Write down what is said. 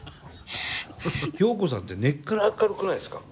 ヨウコさんって根っから明るくないですか？